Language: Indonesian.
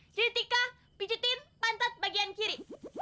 jitika pijetin pantat bagian kiri